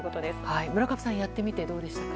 村上さんやってみてどうでしたか？